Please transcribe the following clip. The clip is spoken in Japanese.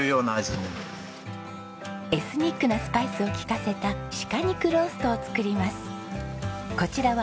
エスニックなスパイスを利かせた鹿肉ローストを作ります。